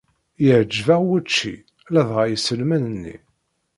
Iɛǧeb-aɣ wučči, ladɣa iselman-nni.